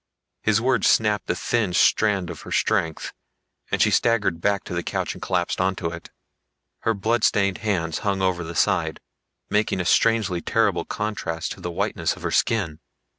His words snapped the thin strand of her strength, and she staggered back to the couch and collapsed onto it. Her bloodstained hands hung over the side, making a strangely terrible contrast to the whiteness of her skin.